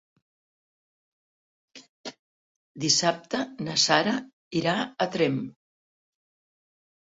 Dissabte na Sara irà a Tremp.